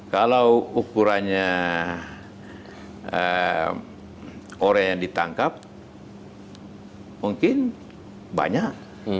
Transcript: kalau ukurannya orang yang ditangkap mungkin banyak